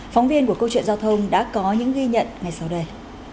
phóng viên của câu chuyện giao thông đã có những ghi nhận ngay sau đây